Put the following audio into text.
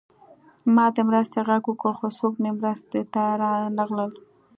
ما د مرستې غږ وکړ خو څوک مې مرستې ته رانغلل